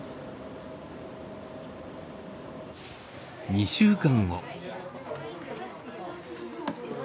２週間後。